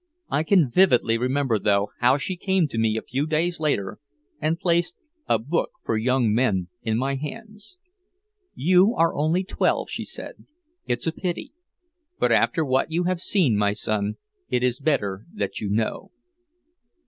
I can vividly remember, though, how she came to me a few days later and placed a "book for young men" in my hands. "You are only twelve," she said. "It's a pity. But after what you have seen, my son, it is better that you know."